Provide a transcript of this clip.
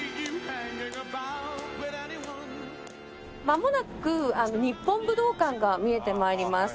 まもなく日本武道館が見えて参ります。